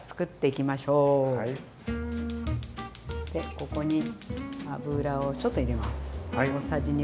ここに油をちょっと入れます。